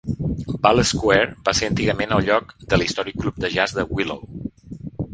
Ball Square va ser antigament el lloc de l'històric Club de Jazz de Willow.